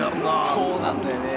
そうなんだよね。